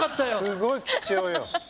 すごい貴重よ。